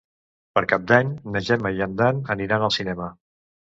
Per Cap d'Any na Gemma i en Dan aniran al cinema.